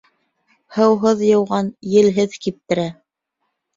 Һыуһыҙ йыуған елһеҙ киптерә.